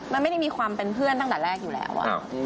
มันไม่ได้มีความเป็นเพื่อนตั้งแต่แรกอยู่แล้ว